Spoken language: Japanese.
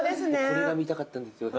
これが見たかったんですよ。